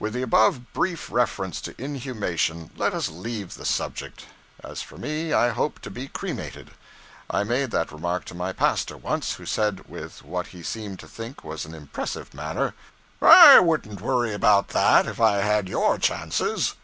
With the above brief references to inhumation, let us leave the subject. As for me, I hope to be cremated. I made that remark to my pastor once, who said, with what he seemed to think was an impressive manner 'I wouldn't worry about that, if I had your chances.'